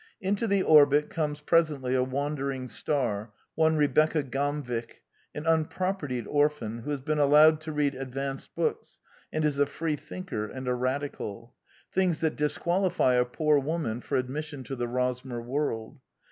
Into the orbit comes presently a wandering star, one Rebecca Gamvik, an unpropertied orphan, who has been allowed to read advanced books, and is a Free thinker and a Radical: things that disqualify a poor woman for admission to the Rosmer world.